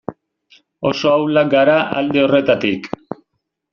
Oso ahulak gara alde horretatik.